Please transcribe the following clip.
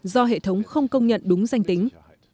do hệ thống không công nhận đúng danh tính